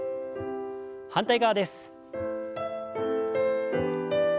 反対側です。